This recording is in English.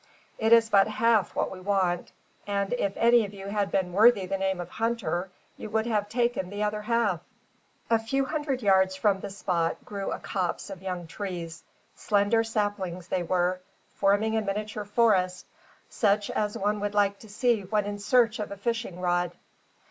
It is but half what we want; and if any of you had been worthy the name of hunter, you would have taken the other half." A few hundred yards from the spot grew a copse of young trees, slender saplings they were, forming a miniature forest, such as one would like to see when in search of a fishing rod.